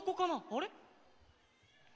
あれ？